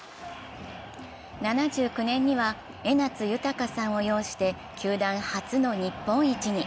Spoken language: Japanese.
７９年には江夏豊さんを擁して球団初の日本一に。